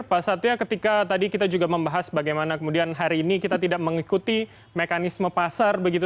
pak satya ketika tadi kita juga membahas bagaimana kemudian hari ini kita tidak mengikuti mekanisme pasar begitu